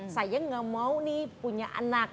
saya nggak mau nih punya anak